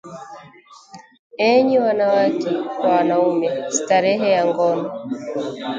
Enyi wanawake kwa wanaume, starehe ya ngono